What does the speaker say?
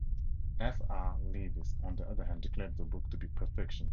F. R. Leavis, on the other hand, declared the book to be "perfection".